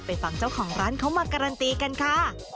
ฟังเจ้าของร้านเขามาการันตีกันค่ะ